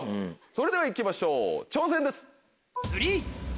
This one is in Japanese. それでは行きましょう挑戦です。